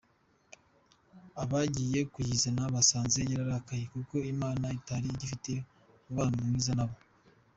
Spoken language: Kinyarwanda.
Abagiye kuyizana basanze yararakaye, kuko Imana itari igifitanye umubano mwiza na bo.